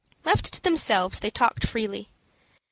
Left to themselves, they talked freely.